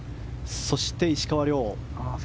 そして石川遼。